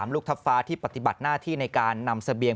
ลูกทัพฟ้าที่ปฏิบัติหน้าที่ในการนำเสบียง